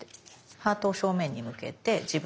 ハートを正面に向けて自分で。